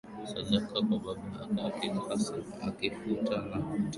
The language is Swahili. sadaka kwa Baba akitakasa akifuta na kutangua makosa yote ya